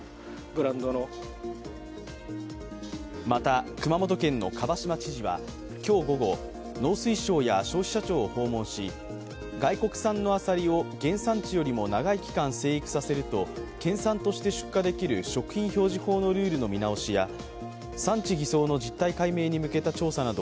また、熊本県の蒲島知事は今日午後、農水省や消費者庁を訪問し外国産のあさりを原産地よりも長い期間成育させると県産として出荷できる食品表示法のルールの見直しや